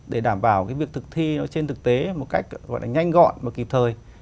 để đảm bảo cái việc thực thi nó trên thực tế một cách gọi là nhanh gọn và kịp thời